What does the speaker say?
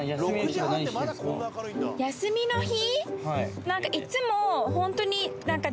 休みの日？